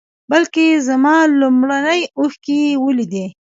بلکې زما لومړنۍ اوښکې یې ولیدې.